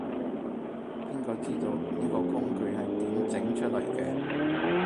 邊個知道，呢個工具係點整出嚟嘅